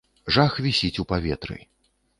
Жах вісіць у паветры.